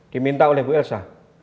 diminta oleh bu elsa